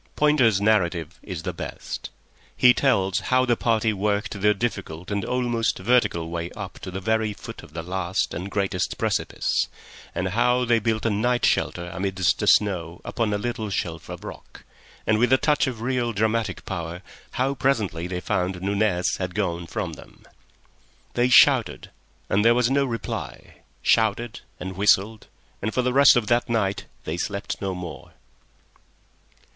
Pointer's narrative is the best. He tells how the little party worked their difficult and almost vertical way up to the very foot of the last and greatest precipice, and how they built a night shelter amidst the snow upon a little shelf of rock, and, with a touch of real dramatic power, how presently they found Nunez had gone from them. They shouted, and there was no reply; shouted and whistled, and for the rest of that night they slept no more.